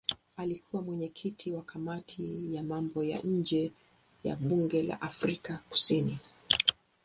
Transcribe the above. Alikuwa mwenyekiti wa kamati ya mambo ya nje ya bunge la Afrika Kusini.